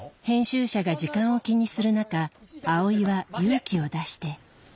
編集者が時間を気にする中アオイは勇気を出して。